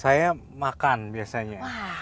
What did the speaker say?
saya makan biasanya